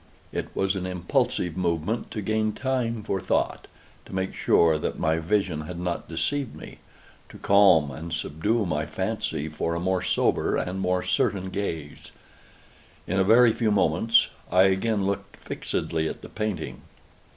It was an impulsive movement to gain time for thought—to make sure that my vision had not deceived me—to calm and subdue my fancy for a more sober and more certain gaze. In a very few moments I again looked fixedly at the painting.